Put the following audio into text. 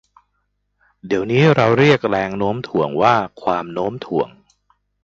เดี๋ยวนี้เราเรียกแรงโน้มถ่วงว่า ความโน้มถ่วง